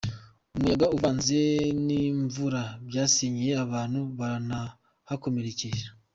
Umuyaga uvanze n’imvura byasenyeye abantu baranahakomerekera